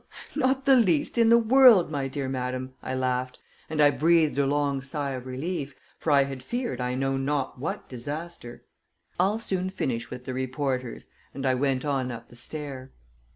"Not the least in the world, my dear madam," I laughed, and I breathed a long sigh of relief, for I had feared I know not what disaster. "I'll soon finish with the reporters," and I went on up the stair.